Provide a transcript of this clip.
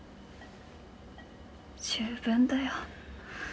十分だよ。